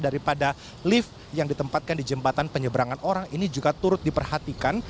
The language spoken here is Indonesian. daripada lift yang ditempatkan di jembatan penyeberangan orang ini juga turut diperhatikan